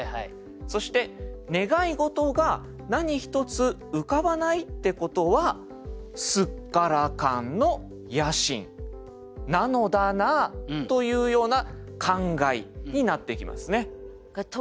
そして「願いごとが何一つ浮かばないってことはすっからかんの野心なのだなあ」というような感慨になってきますね。